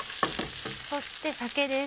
そして酒です。